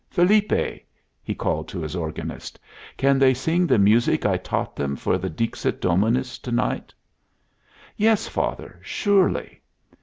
Felipe!" he called to his organist. "Can they sing the music I taught them for the Dixit Dominus to night?" "Yes, father, surely."